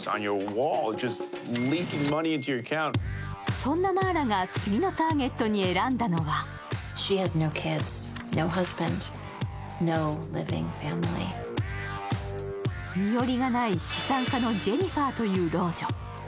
そんなマーラが次のターゲットに選んだのは身寄りがない資産家のジェニファーという老女。